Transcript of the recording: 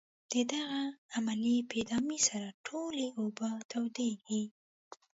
د دغې عملیې په ادامې سره ټولې اوبه تودیږي.